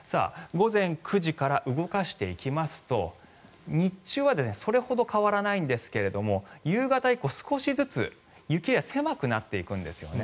午前９時から動かしていきますと日中はそれほど変わらないんですが夕方以降、少しずつ雪エリアが狭くなっていくんですよね。